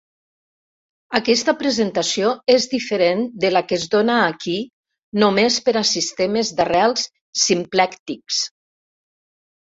Aquesta presentació és diferent de la que es dóna aquí només per a sistemes d'arrels simplèctics.